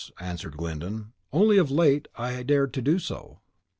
answered Glyndon, "only of late have I dared to do so."